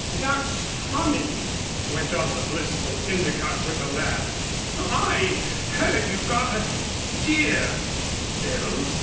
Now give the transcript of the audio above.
"That's funny," went on the blissful Endicott with a laugh. "I heard you got a deer, Phil."